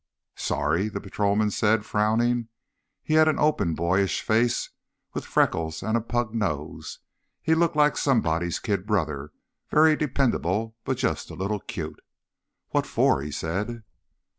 "Sorry?" the patrolman said, frowning. He had an open, boyish face with freckles and a pug nose. He looked like somebody's kid brother, very dependable but just a little cute. "What for?" he said.